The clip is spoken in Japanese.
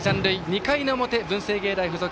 ２回の表、文星芸大付属。